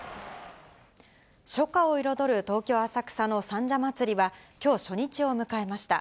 初夏を彩る東京・浅草の三社祭は、きょう、初日を迎えました。